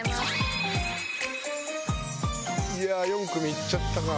いや４組行っちゃったか。